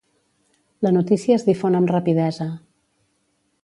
La notícia es difon amb rapidesa.